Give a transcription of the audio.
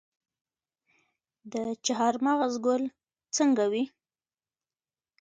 د چهارمغز ګل څنګه وي؟